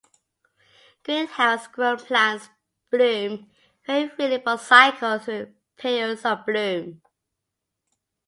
Greenhouse grown plants bloom very freely but cycle through periods of bloom.